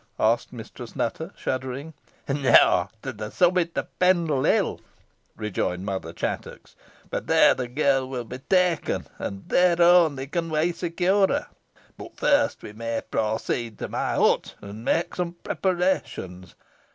asked Mistress Nutter, shuddering. "No; to the summit of Pendle Hill," rejoined Mother Chattox; "for there the girl will be taken, and there only can we secure her. But first we must proceed to my hut, and make some preparations.